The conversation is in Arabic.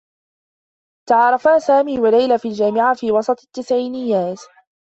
تعارفا سامي و ليلى في الجامعة في وسط التّسعينيّات.